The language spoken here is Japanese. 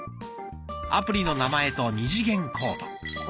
アプリの名前と二次元コード。